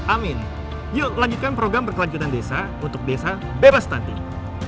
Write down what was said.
amin yuk lanjutkan program berkelanjutan desa untuk desa bebas stunting